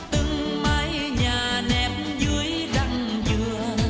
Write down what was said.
từng mái nhà nẹp dưới răng dừa